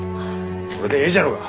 それでえいじゃろうが！